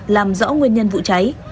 làm rõ nguyên nhân vụ cháy